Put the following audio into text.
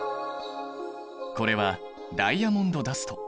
これはダイヤモンドダスト。